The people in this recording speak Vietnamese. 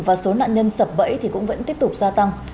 và số nạn nhân sập bẫy thì cũng vẫn tiếp tục gia tăng